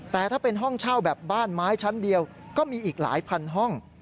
แต่ถ้าเป็นห้องเช่าแบบบ้านไม้ชั้นเดียวก็มีอีกหลายพันห้อง